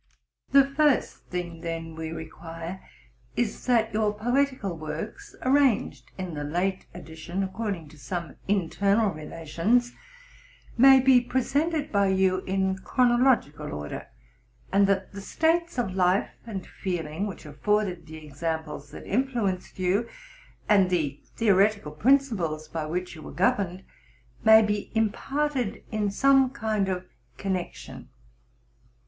"The first thing, then, we require, is that your poetical works, arranged in the late edition according to some in ternal relations, may be presented by you in chronological order, and that the states of life and feeling which affordea 3 4 AUTHOR'S PREFACE. the examples that influenced you, and the theoretical prin ciples by which you were governed, may be imparted in some kind of connection.